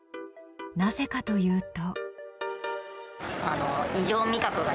なぜかというと。